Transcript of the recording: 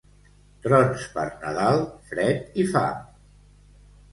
Trons per Nadal, fred i fam.